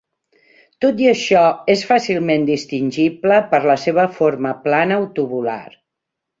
Tot i això, és fàcilment distingible per la seva forma plana o tubular.